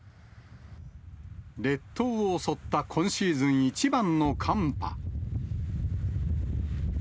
列島を襲った今シーズン一番の寒波。